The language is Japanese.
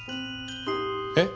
えっ？